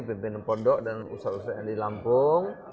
pimpinan pondok dan usaha usaha yang di lampung